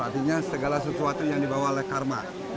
artinya segala sesuatu yang dibawa oleh karma